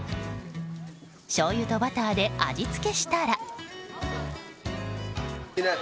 しょうゆとバターで味付けしたら。